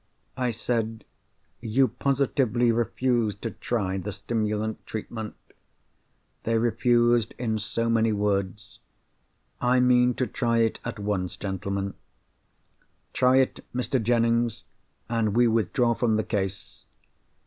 I said, 'You positively refuse to try the stimulant treatment?' They refused in so many words. 'I mean to try it at once, gentlemen.'—'Try it, Mr. Jennings, and we withdraw from the case.